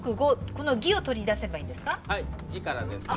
この魏を取り出せばいいんですか？